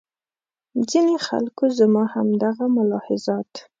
ځینې خلکو زما همدغه ملاحظات.